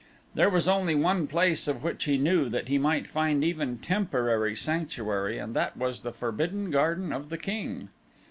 There was only one place of which he knew that he might find even temporary sanctuary and that was the Forbidden Garden of the king.